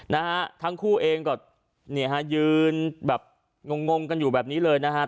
นะฮะทั้งคู่เองก็เนี่ยฮะยืนแบบงงงกันอยู่แบบนี้เลยนะฮะ